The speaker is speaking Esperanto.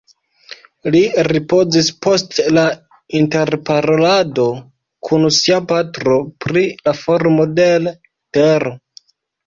Li ripozis post la interparolado kun sia patro pri la formo de l' tero